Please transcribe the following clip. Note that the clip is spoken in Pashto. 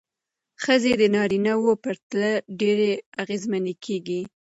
ښځې د نارینه وو پرتله ډېرې اغېزمنې کېږي.